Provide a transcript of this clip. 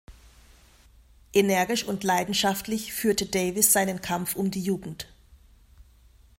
Energisch und leidenschaftlich führte Davis seinen Kampf um die Jugend.